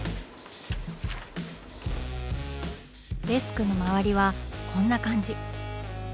デスクの周りはこんな感じ。